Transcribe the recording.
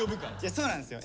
そうなんですよ！